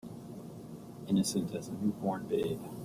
Innocent as a new born babe.